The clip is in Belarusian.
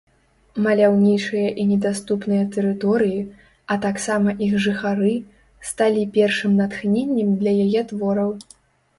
Маляўнічыя і недаступныя тэрыторыі, а таксама іх жыхары, сталі першым натхненнем для яе твораў.